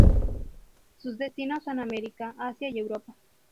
Sus destinos son America, Asia y Europa.